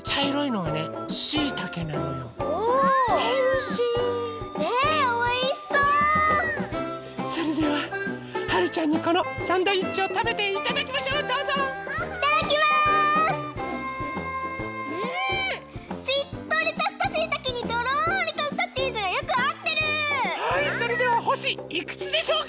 はいそれではほしいくつでしょうか？